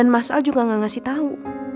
mas a juga gak ngasih tahu